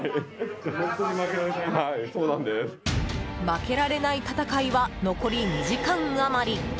負けられない戦いは残り２時間余り。